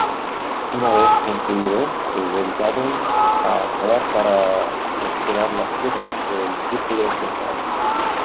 Una vez conseguido, se dedicaron a cavar para recuperar las piedras del círculo central.